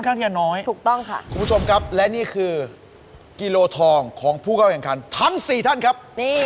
อันนี้ก็จะคล้ายกับคุณเบลนั่นเองนะครับ